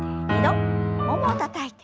ももをたたいて。